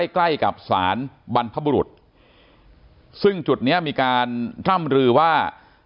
ใกล้กับสารบรรพบุรุษซึ่งจุดนี้มีการร่ำลือว่า